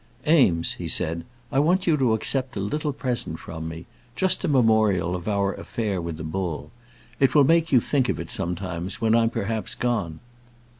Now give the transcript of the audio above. "Eames," he said, "I want you to accept a little present from me, just as a memorial of our affair with the bull. It will make you think of it sometimes, when I'm perhaps gone."